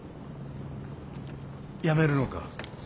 やめるのか？